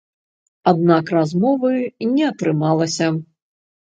Аднак размовы не атрымалася.